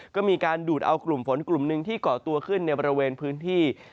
ก็มีการดูดเอากลุ่มฝนกลุ่มหนึ่งที่ก่อตัวขึ้นในบริเวณพื้นที่